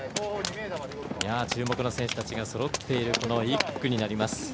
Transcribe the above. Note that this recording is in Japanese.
注目の選手たちがそろっている１区になります。